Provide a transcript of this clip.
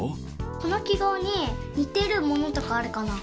このきごうににてるものとかあるかな。